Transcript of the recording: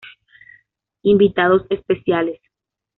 Invitados especiales